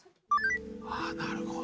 あなるほど。